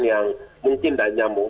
yang mungkin tidak nyambung